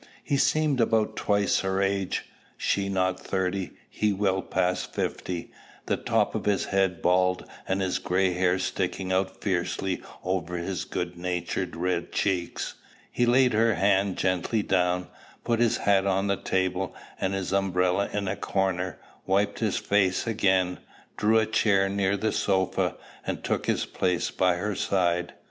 He seemed about twice her age, she not thirty; he well past fifty, the top of his head bald, and his gray hair sticking out fiercely over his good natured red cheeks. He laid her hand gently down, put his hat on the table and his umbrella in a corner, wiped his face again, drew a chair near the sofa, and took his place by her side.